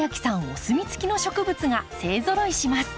お墨付きの植物が勢ぞろいします。